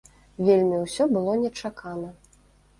Вельмі ўсё было нечакана.